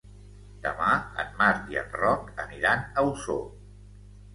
Demà en Marc i en Roc aniran a Osor.